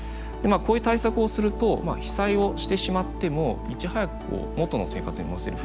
こういう対策をすると被災をしてしまってもいち早く元の生活に戻せる。